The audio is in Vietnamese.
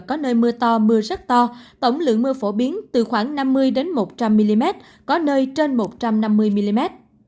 có nơi mưa to mưa rất to tổng lượng mưa phổ biến từ khoảng năm mươi một trăm linh mm có nơi trên một trăm năm mươi mm